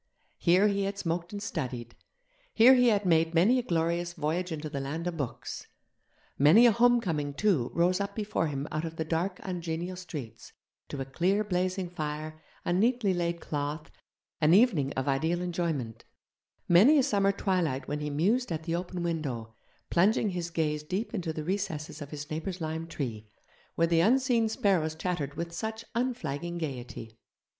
Here he had smoked and studied, here he had made many a glorious voyage into the land of books. Many a homecoming, too, rose up before him out of the dark ungenial streets, to a clear blazing fire, a neatly laid cloth, an evening of ideal enjoyment; many a summer twilight when he mused at the open window, plunging his gaze deep into the recesses of his neighbour's lime tree, where the unseen sparrows chattered with such unflagging gaiety.